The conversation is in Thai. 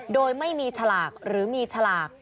โดยไม่มีฉลากหรือมีฉลาก